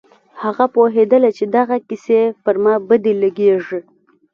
هغه پوهېدله چې دغه کيسې پر ما بدې لگېږي.